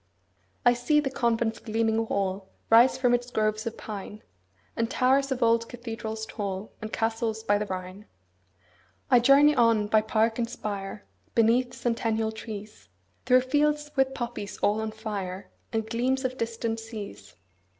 I see the convent's gleaming wall Rise from its groves of pine, And towers of old cathedrals tall, And castles by the Rhine. 20 I journey on by park and spire, Beneath centennial trees, Through fields with poppies all on fire, And gleams of distant seas.